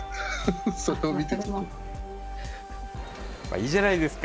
いいじゃないですか。